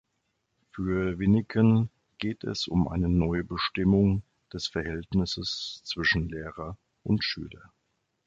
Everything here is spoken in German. Für Wyneken geht es um eine Neubestimmung des Verhältnisses zwischen Lehrer und Schüler.